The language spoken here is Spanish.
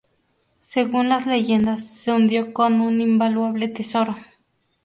Según las leyendas, se hundió con un invaluable tesoro.